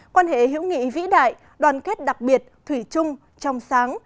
quan hệ hữu nghị vĩ đại đoàn kết đặc biệt thủy chung trong sáng